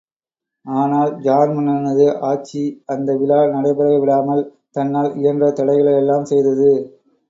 ஆனால் ஜார் மன்னனது ஆட்சி அந்த விழா நடைபெற விடாமல் தன்னால் இயன்ற தடைகளை எல்லாம் செய்தது.